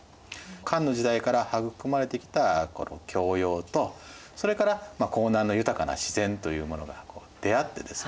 漢の時代から育まれてきた教養とそれから江南の豊かな自然というものが出会ってですね